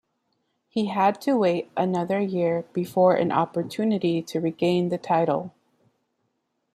He had to wait another year before an opportunity to regain the title.